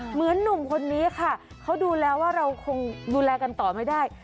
หนุ่มคนนี้ค่ะเขาดูแล้วว่าเราคงดูแลกันต่อไม่ได้